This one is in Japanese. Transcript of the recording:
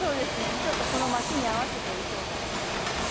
ちょっとこの街に合わせて衣装も決めていきました。